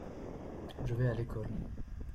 je vais à l'école.